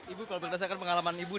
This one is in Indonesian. ibu kalau berdasarkan pengalaman ibu